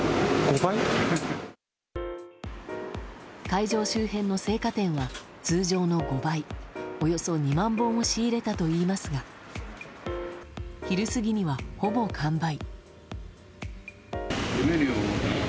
会場周辺の生花店は通常の５倍およそ２万本を仕入れたといいますが昼過ぎには、ほぼ完売。